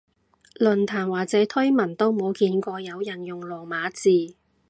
論壇或者推文都冇見過有人用羅馬字